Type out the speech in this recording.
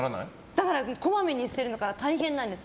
だからこまめに捨てるのが大変なんです。